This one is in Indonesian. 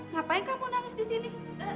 ngapain kamu nangis disini